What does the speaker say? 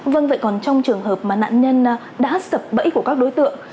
vâng vậy còn trong trường hợp mà nạn nhân đã sập bẫy của các đối tượng